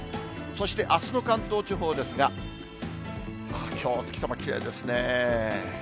そしてあすの関東地方ですが、きょう、お月様きれいですね。